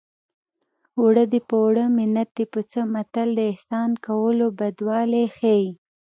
اوړه دې په اوړه منت دې په څه متل د احسان کولو بدوالی ښيي